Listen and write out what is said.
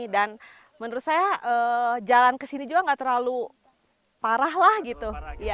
dan menurut saya jalan kesini juga gak terlalu parah lah gitu